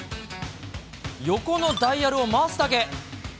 横のダイヤルを回すだけ。